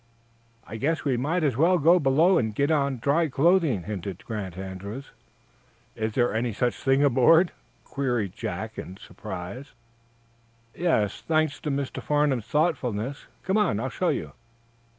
"I guess we might as well go below and get on dry clothing," hinted Grant Andrews. "Is there any such thing aboard?" queried Jack, in surprise. "Yes, thanks to Mr. Farnum's thoughtfulness. Come on; I'll show you."